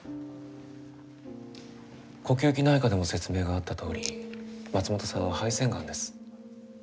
呼吸器内科でも説明があったとおり松本さんは肺腺がんです。